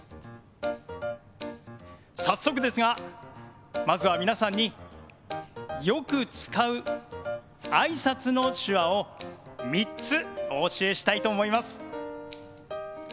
早速ですがまずは皆さんによく使う挨拶の手話を３つお教えしたいと思います。